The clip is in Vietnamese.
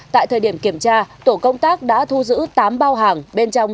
tại thời điểm kiểm tra tổ công tác đã thu giữ tám bao hàng bên trong